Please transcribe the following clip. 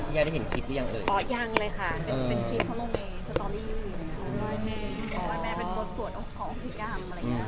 เพราะว่าแม่จิตสมาบอกสวนของหัวศิกรรม